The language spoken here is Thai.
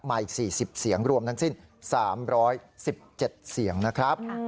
มาอีก๔๐เสียงรวมทั้งสิ้น๓๑๗เสียงนะครับ